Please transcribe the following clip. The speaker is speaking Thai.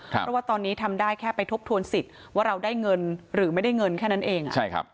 เพราะว่าตอนนี้ทำได้แค่ไปทบทวนสิทธิ์ว่าเราได้เงินหรือไม่ได้เงินแค่นั้นเอง